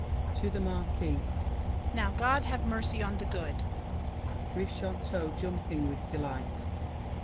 [To The Marquis. Now God have mercy on the good! BRICHANTEAU (jumping with delight).